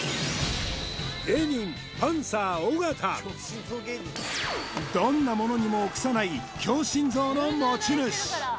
芸人どんなものにも臆さない強心臓の持ち主